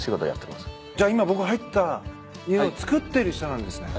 じゃ今僕入った家をつくってる人なんですね？